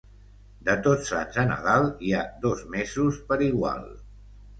De Tots Sants a Nadal hi ha dos mesos per igual.